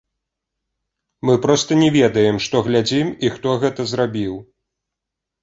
Мы проста не ведаем, што глядзім, і хто гэта зрабіў.